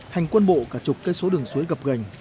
hành quân bộ cả chục cây số đường suối gập gành